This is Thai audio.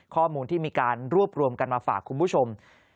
ข้อมูลที่มีการรวบรวมกันมาฝากคุณผู้ชม